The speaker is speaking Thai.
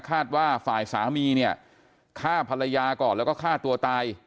คาดว่าฝ่ายสามีเนี่ยฆ่าภรรยาก่อนแล้วก็ฆ่าตัวตาย